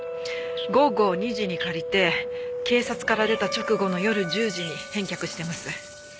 午後２時に借りて警察から出た直後の夜１０時に返却してます。